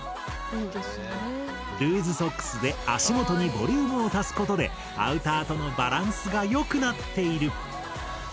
ルーズソックスで足元にボリュームを足すことでアウターとのバランスが良くなっている！